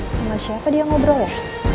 sama siapa dia ngobrol ya